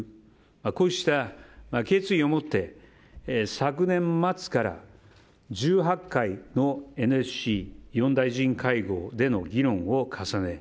こうした決意を持って昨年末から、１８回のＮＳＣ４大臣会合での議論を重ね